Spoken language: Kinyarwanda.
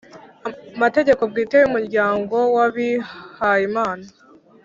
mategeko bwite y umuryango w abihayimana